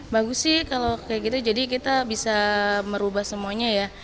bagus sih kalau kayak gitu jadi kita bisa merubah semuanya ya